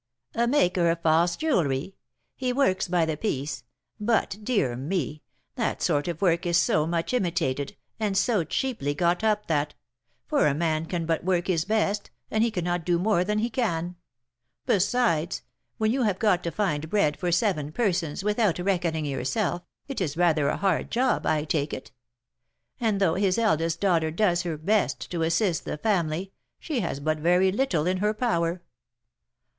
"A maker of false jewelry; he works by the piece; but, dear me! that sort of work is so much imitated, and so cheaply got up that For a man can but work his best, and he cannot do more than he can; besides, when you have got to find bread for seven persons without reckoning yourself, it is rather a hard job, I take it. And though his eldest daughter does her best to assist the family, she has but very little in her power."